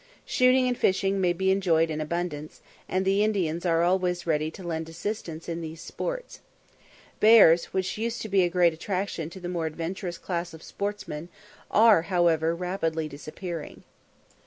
Shooting and fishing may be enjoyed in abundance, and the Indians are always ready to lend assistance in these sports. Bears, which used to be a great attraction to the more adventurous class of sportsmen, are, however, rapidly disappearing.